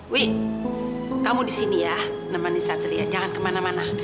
wih kamu di sini ya nemani satria jangan kemana mana